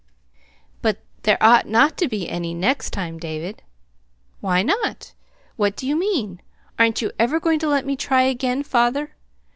"But there ought not to be any 'next time,' David." "Why not? What do you mean? Aren't you ever going to let me try again, father?"